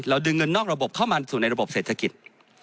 ดึงเงินนอกระบบเข้ามาสู่ในระบบเศรษฐกิจ